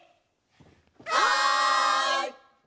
はい！